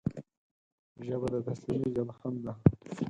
ژبه د تسلیمۍ ژبه هم ده